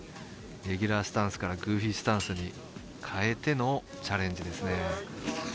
レギュラースタンスからグーフィースタンスに変えてのチャレンジですね。